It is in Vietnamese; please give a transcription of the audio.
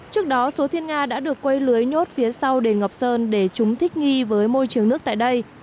trước đó số thiên nga đã được quây lưới nhốt phía sau đền ngọc sơn để chúng thích nghi với môi trường nước tại đây